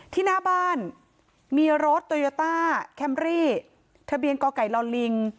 ที่หน้าบ้านมีรถโตโยต้าแคมรี่ทะเบียนกไก่ลอนลิง